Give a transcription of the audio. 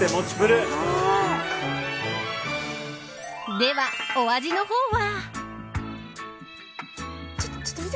では、お味の方は。